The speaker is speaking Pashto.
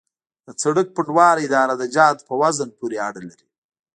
د سرک پنډوالی د عراده جاتو په وزن پورې اړه لري